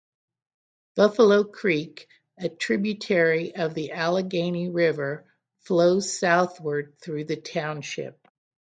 Buffalo Creek, a tributary of the Allegheny River, flows southward through the township.